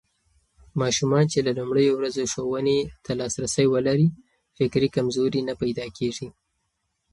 ماشومان چې له لومړيو ورځو ښوونې ته لاسرسی ولري، فکري کمزوري نه پيدا کېږي.